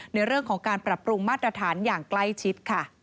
ในเรื่องของการปรับปรุงมาตรฐานอย่างใกล้ชิดค่ะ